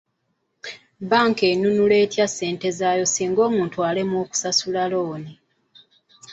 Bbanka enunula etya ssente zaayo singa omuntu alemererwa okusasula looni?